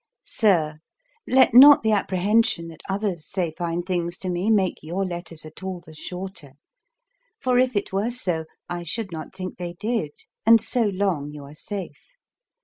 SIR, Pray, let not the apprehension that others say fine things to me make your letters at all the shorter; for, if it were so, I should not think they did, and so long you are safe.